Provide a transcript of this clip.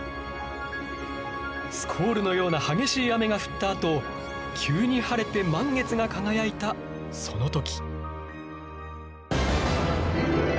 スコールのような激しい雨が降ったあと急に晴れて満月が輝いたその時！